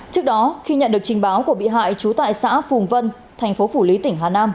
trước đó khi nhận được trình báo của bị hại trú tại xã phùng vân thành phố phủ lý tỉnh hà nam